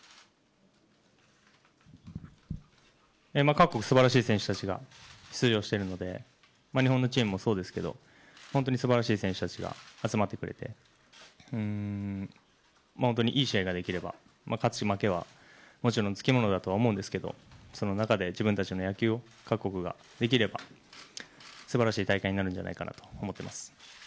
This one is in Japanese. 各国すばらしい選手たちが出場してるので、日本のチームもそうですけど、本当にすばらしい選手たちが集まってくれて、本当にいい試合ができれば、勝ち負けはもちろんつきものだと思うんですけど、その中で自分たちの野球を各国ができれば、すばらしい大会になるんじゃないかなと思っています。